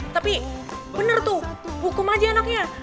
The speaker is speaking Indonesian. tapi bener tuh hukum aja anaknya